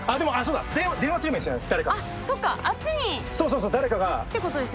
そうそうそう誰かが。